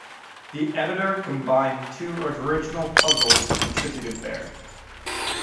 The editor combined two original puzzles contributed there.